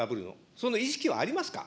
その認識はありますか。